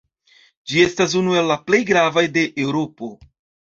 Ĝi estas unu el la plej gravaj de Eŭropo.